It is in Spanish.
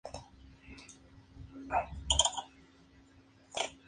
En sus últimos años se concentró mayormente en la producción vocal.